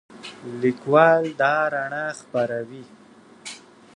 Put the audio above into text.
لیکوال دا رڼا خپروي.